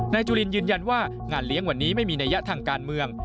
จุลินยืนยันว่างานเลี้ยงวันนี้ไม่มีนัยยะทางการเมือง